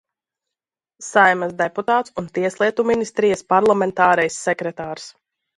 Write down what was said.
Saeimas deputāts un Tieslietu ministrijas parlamentārais sekretārs.